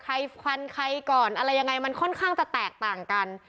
ฟันใครก่อนอะไรยังไงมันค่อนข้างจะแตกต่างกัน